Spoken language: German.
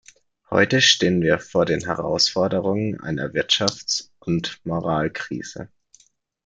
Heute stehen wir vor den Herausforderungen einer Wirtschafts- und Moralkrise.